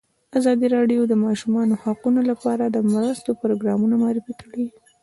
ازادي راډیو د د ماشومانو حقونه لپاره د مرستو پروګرامونه معرفي کړي.